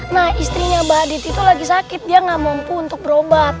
nah istrinya abadit itu lagi sakit dia gak mampu untuk berobat